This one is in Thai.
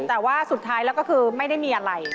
แต่ว่าสุดท้ายแล้วก็คือไม่ได้มีอะไร